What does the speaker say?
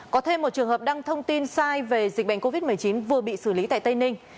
có thêm một trường hợp đăng thông tin sai về dịch bệnh covid một mươi chín vừa bị xử lý tại tây ninh